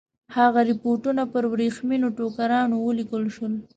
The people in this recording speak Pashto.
هغه رپوټونه پر ورېښمینو ټوکرانو ولیکل شول.